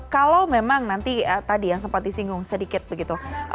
kalau memang nanti tadi yang sempat disinggung sedikit begitu